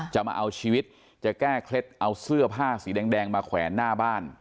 จะมาเอาชีวิตจะแก้เคล็ดเอาเสื้อผ้าสีแดงมาแขวนหน้าบ้าน